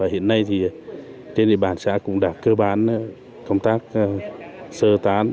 hiện nay trên địa bàn xã cũng đã cơ bản công tác sơ tán